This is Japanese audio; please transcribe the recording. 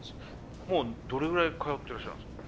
どれぐらい通っていらっしゃるんですか？